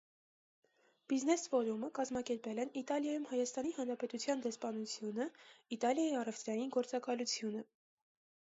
Բիզնես ֆորումը կազմակերպել են Իտալիայում Հայաստանի Հանրապետության դեսպանությունը, Իտալիայի առևտրային գործակալությունը։